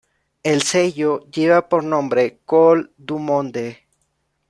El sello lleva por nombre Cool Du Monde.